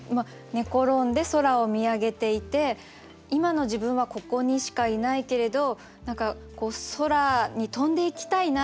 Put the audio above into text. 寝転んで空を見上げていて今の自分はここにしかいないけれど何か空に飛んでいきたいな